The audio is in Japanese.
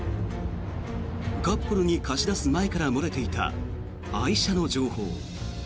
カップルに貸し出す前から漏れていた愛車の情報。